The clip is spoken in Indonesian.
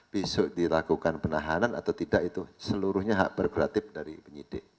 besok dilakukan penahanan atau tidak itu seluruhnya hak berguratif dari penyidik